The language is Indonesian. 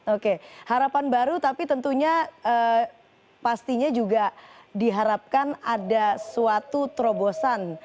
oke harapan baru tapi tentunya pastinya juga diharapkan ada suatu terobosan